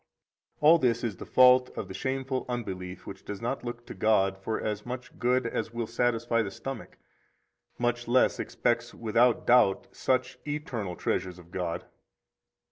58 All this is the fault of the shameful unbelief which does not look to God for as much good as will satisfy the stomach, much less expects without doubt such eternal treasures of God.